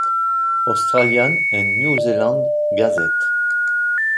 Australian and New-Zealand Gazette